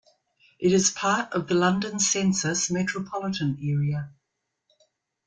It is part of the London census metropolitan area.